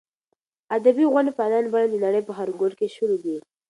ادبي غونډې په انلاین بڼه د نړۍ په هر ګوټ کې شونې دي.